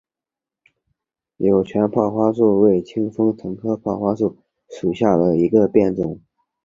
有腺泡花树为清风藤科泡花树属下的一个变种。